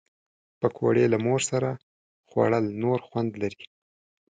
پکورې له مور سره خوړل نور خوند لري